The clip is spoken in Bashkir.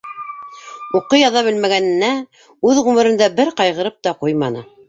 Уҡый- яҙа белмәгәненә үҙ ғүмерендә бер ҡайғырып та ҡуйманы.